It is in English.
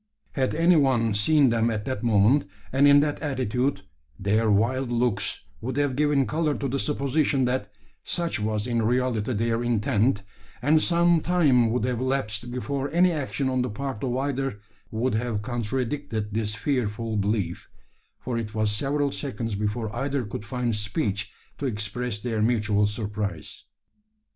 Had any one seen them at that moment, and in that attitude, their wild looks would have given colour to the supposition that such was in reality their intent; and some time would have elapsed before any action on the part of either would have contradicted this fearful belief: for it was several seconds before either could find speech to express their mutual surprise.